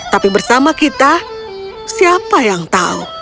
tapi bersama kita siapa yang tahu